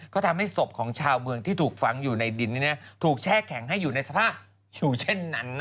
ก็ทำให้ศพของชาวเมืองที่ถูกฝังอยู่ในดินถูกแช่แข็งให้อยู่ในสภาพอยู่เช่นนั้น